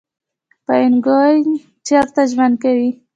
پینګوین چیرته ژوند کوي؟